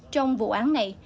trong vụ án này